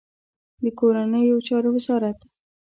د کورنیو چارو وزارت